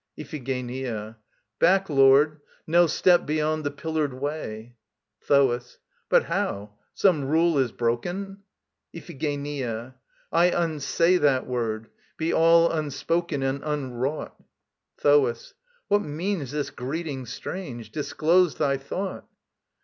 IPHIGENIA. Back Lord! No step beyond the pillared way. THOAS. But how? Some rule is broken? IPHIGENIA. I unsay That word. Be all unspoken and unwrought! THOAS. What means this greeting strange? Disclose thy thought.